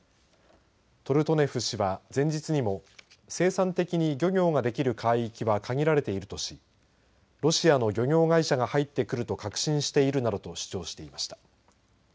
トルトネフ氏は、前日にも生産的に漁業ができる海域は限られているとしロシアの漁業会社が入ってくると確信しているなどと主張していました。